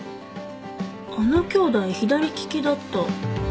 あのきょうだい左利きだった。